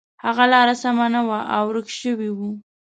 هغه لاره سمه نه وه او ورک شوی و.